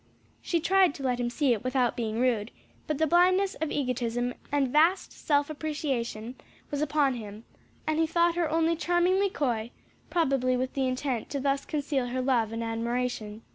She tried to let him see it without being rude; but the blindness of egotism and vast self appreciation was upon him and he thought her only charmingly coy; probably with the intent to thus conceal her love and admiration.